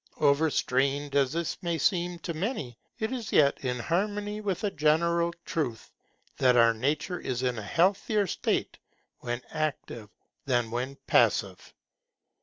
Overstrained as this may seem to many, it is yet in harmony with a general truth, that our nature is in a healthier state when active than when passive.